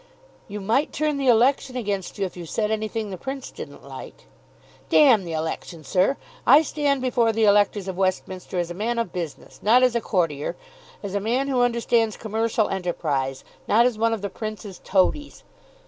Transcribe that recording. "You might turn the election against you if you said anything the Prince didn't like." "D the election, sir. I stand before the electors of Westminster as a man of business, not as a courtier, as a man who understands commercial enterprise, not as one of the Prince's toadies.